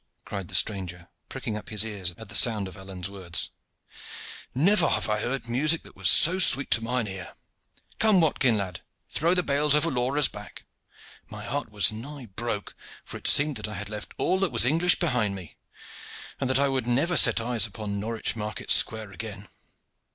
cried the stranger, pricking up his ears at the sound of Alleyne's words. "Never have I heard music that was so sweet to mine ear. Come, Watkin lad, throw the bales over Laura's back! My heart was nigh broke, for it seemed that I had left all that was English behind me, and that I would never set eyes upon Norwich market square again."